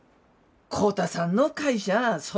浩太さんの会社そ